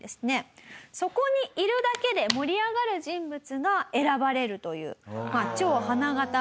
そこにいるだけで盛り上がる人物が選ばれるという。